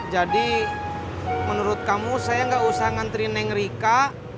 jadi menurut kamu saya gak usah ngantri neng rika